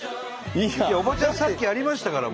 おばちゃんさっきやりましたから。